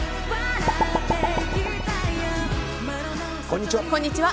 こんにちは。